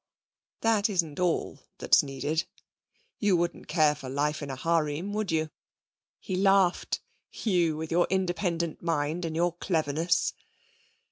'That isn't all that's needed. You wouldn't care for life in a harem, would you?' He laughed. 'You with your independent mind and your cleverness.'